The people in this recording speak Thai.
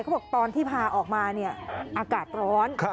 เขาบอกตอนที่พาออกมาเนี่ยอากาศร้อน